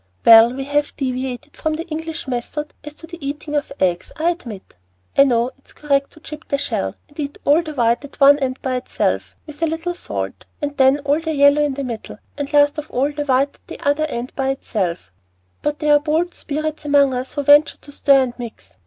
"Well, we have deviated from the English method as to the eating of eggs, I admit. I know it's correct to chip the shell, and eat all the white at one end by itself, with a little salt, and then all the yellow in the middle, and last of all the white at the other end by itself; but there are bold spirits among us who venture to stir and mix.